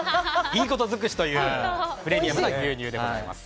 いいこと尽くしというプレミアムな牛乳です。